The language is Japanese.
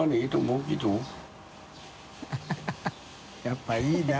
やっぱいいな。